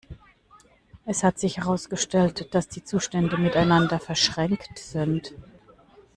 Es hat sich herausgestellt, dass die Zustände miteinander verschränkt sind.